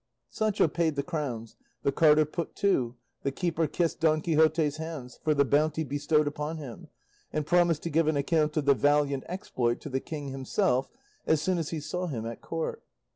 Sancho paid the crowns, the carter put to, the keeper kissed Don Quixote's hands for the bounty bestowed upon him, and promised to give an account of the valiant exploit to the King himself, as soon as he saw him at court.